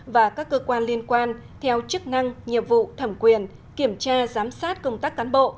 và các cơ quan liên quan theo chức năng nhiệm vụ thẩm quyền kiểm tra giám sát công tác cán bộ